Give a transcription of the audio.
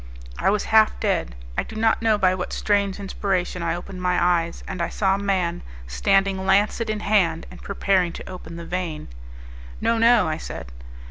I was half dead; I do not know by what strange inspiration I opened my eyes, and I saw a man, standing lancet in hand and preparing to open the vein. "No, no!" I said.